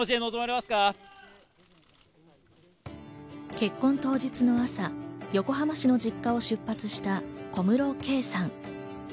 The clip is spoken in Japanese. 結婚当日の朝、横浜市の実家を出発した小室圭さん。